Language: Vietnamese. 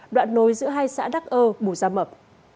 đoạn nối giữa hai xã đắc ơ bù gia mập